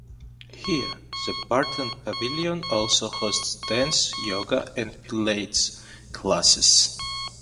Here, the Burton Pavilion also hosts dance, yoga and pilates classes.